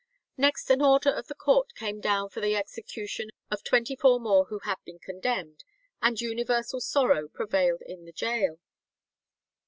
Next an order of the court came down for the execution of twenty four more who had been condemned, and "universal sorrow" prevailed in the gaol.